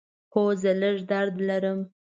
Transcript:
هو، لږ درد لرم